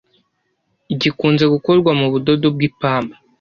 gikunze gukorwa mu budodo bw'ipamba